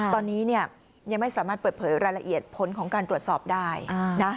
ตอนนี้เนี่ยยังไม่สามารถเปิดเผยรายละเอียดผลของการตรวจสอบได้นะ